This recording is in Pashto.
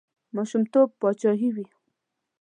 ماشومتوب پاچاهي وي.